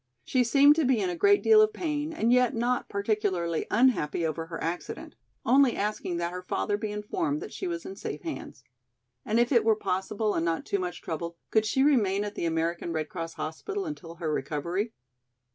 She seemed to be in a great deal of pain and yet not particularly unhappy over her accident, only asking that her father be informed that she was in safe hands. And if it were possible and not too much trouble could she remain at the American Red Cross hospital until her recovery?